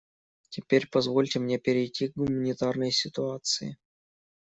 Теперь позвольте мне перейти к гуманитарной ситуации.